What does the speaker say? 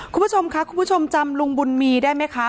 คุณผู้ชมค่ะคุณผู้ชมจำลุงบุญมีได้ไหมคะ